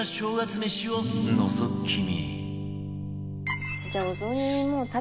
めしをのぞき見